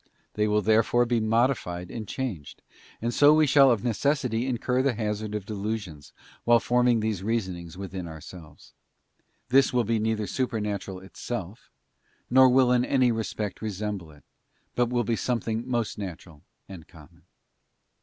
They will therefore be modified and changed, and so we shall of necessity incur the hazard of delusions while forming these reasonings within ourselves. This will be neither supernatural itself, nor will in any respect resemble it, but will be something most natural and common.